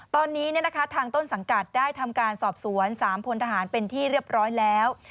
ตอนนี้ทางต้นสังกัดได้ทำการสอบสวน๓พลทหารเป็นที่เรียบร้อยแล้ว